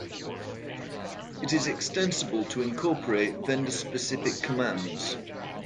It is extensible to incorporate vendor specific commands.